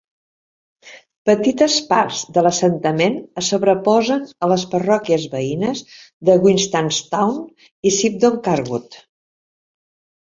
Petites parts de l'assentament es sobreposen a les parròquies veïnes de Wistanstow i Sibdon Carwood.